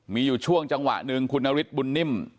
มีอยู่ช่วงจังหวะหนึ่งคุณนฤทธิบุญนิ่ม